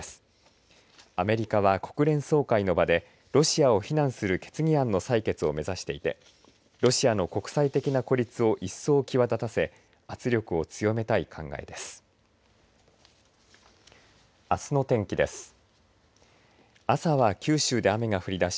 アメリカは国連総会の場でロシアを非難する決議案の採決を目指していてロシアの国際的な孤立を一層際立たせ圧力を強めたい考えです。